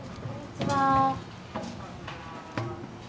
こんにちは。